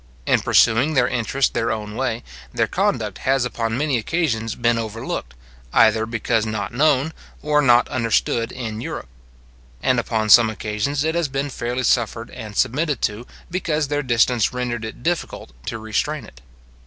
In pursuing their interest their own way, their conduct has upon many occasions been overlooked, either because not known or not understood in Europe; and upon some occasions it has been fairly suffered and submitted to, because their distance rendered it difficult to restrain it.